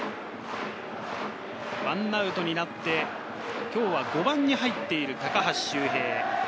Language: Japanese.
１アウトになって今日は５番に入っている高橋周平。